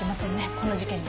この事件に。